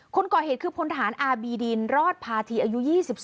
คนก่อเหตุคือพลฐานอาบีดินรอดพาธีอายุ๒๒